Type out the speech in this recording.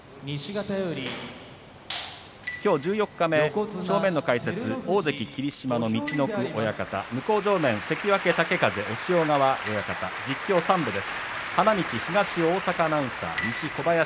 きょう十四日目、正面の解説元大関霧島の陸奥親方向正面元関脇豪風、押尾川親方です。